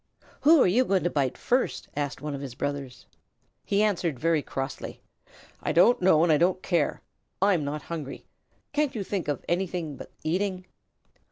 "Who are you going to bite first?" asked one of his brothers. He answered very crossly: "I don't know and I don't care. I'm not hungry. Can't you think of anything but eating?"